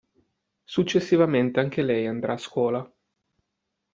Successivamente anche lei andrà a scuola.